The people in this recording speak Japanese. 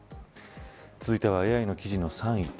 続いてはＡＩの記事の３位。